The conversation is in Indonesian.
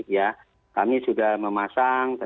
ya kami sudah memasang